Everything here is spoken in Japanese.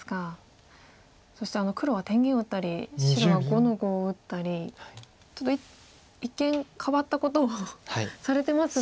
そして黒は天元を打ったり白は５の五を打ったりちょっと一見変わったことをされてますが。